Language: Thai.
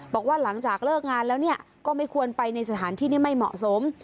บอกว่าหลังจากเลิกงานแล้วเนี่ยก็ไม่ควรไปในสถานที่ที่ไม่เหมาะสม